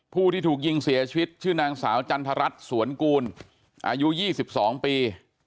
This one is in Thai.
ผู้ที่ถูกยิงเสียชีวิตชื่อนางสาวจันทรัฐสวนกูลอายุ๒๒ปี